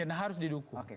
dan harus didukung